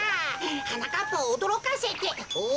はなかっぱをおどろかせておっ？